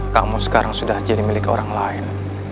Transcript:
kamu sekarang sudah jadi milik orang lain